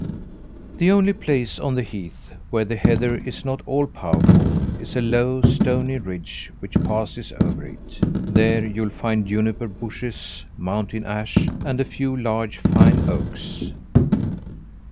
The only place on the heath where the heather is not all powerful, is a low, stony ridge which passes over it. There you'll find juniper bushes, mountain ash, and a few large, fine oaks.